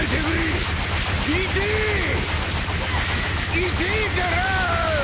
いてぇから！